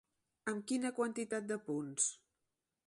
Amb quina quantitat de punts?